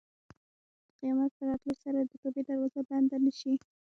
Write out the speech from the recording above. د قیامت په راتلو سره د توبې دروازه بنده نه شي.